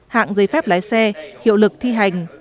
hạng giấy phép lái xe hiệu lực thi hành